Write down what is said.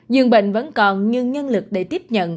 dường bệnh vẫn còn nhưng nhân lực để tiếp nhận